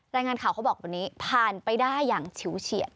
รายงานข่าวเขาบอกวันนี้ผ่านไปได้อย่างฉิวเฉียด